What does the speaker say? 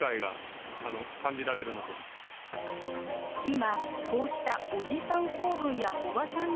今こうした、おじさん構文やおばさん